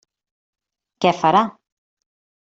Què farà?